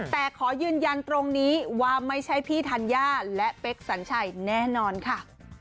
แต่ขอยืนยันตรงนี้ว่าไม่ใช่พี่ธัญญาและเป๊กสัญชัยแน่นอนค่ะ